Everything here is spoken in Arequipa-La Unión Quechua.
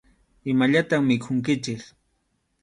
Imallatam mikhunkichik.